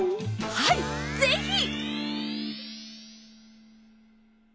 はいぜひ。